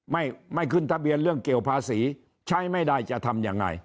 ไม่ไม่ขึ้นทะเบียนเรื่องเกี่ยวภาษีใช้ไม่ได้จะทำยังไง